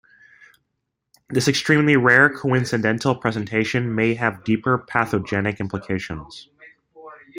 This extremely rare coincidental presentation may have deeper pathogenic implications.